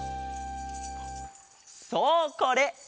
そうこれ！